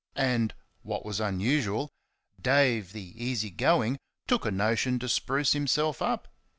And, what was unusual, Dave, the easy going, took a notion to spruce himself up.